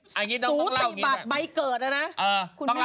สูติบัตรใบเกิดนะนะ